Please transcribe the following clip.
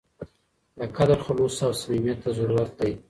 د قدر خلوص او صمیمیت ته ضرورت دی.